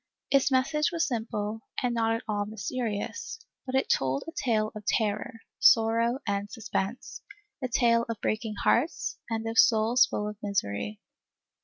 Its message was simple and not at all mysterious, but it told a tale of terror, sorrow and suspense, a tale of breaking hearts and of souls full of misery.